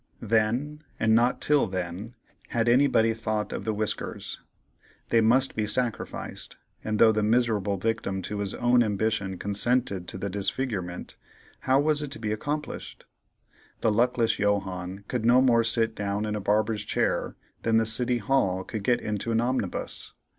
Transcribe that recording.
Then, and not till then, had anybody thought of the whiskers. They must be sacrificed; and though the miserable victim to his own ambition consented to the disfigurement, how was it to be accomplished? The luckless Johannes could no more sit down in a barber's chair than the City Hall could get into an omnibus.